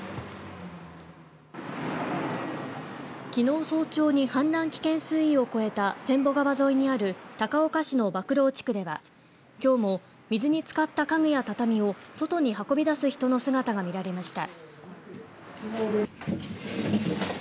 きのう早朝に氾濫危険水位を超えた千保川沿いにある高岡市の博労地区ではきょうも水につかった家具や畳を外に運び出す人の姿が見られました。